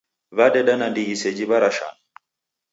W'adeda nandighi seji w'arashana.